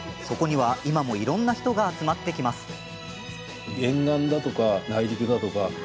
そこには、今もいろんな人が集まってきます。